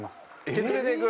削れていく？